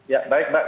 ya baik mbak